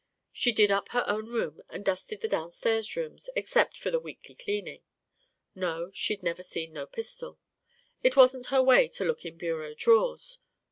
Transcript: She did up her own room and dusted the downstairs rooms, except for the weekly cleaning. No, she never'd seen no pistol. It wasn't her way to look in bureau drawers.